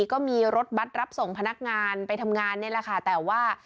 ก็มีรถบัตรรับส่งพนักงานไปทำงานนี่แหละค่ะแต่ว่า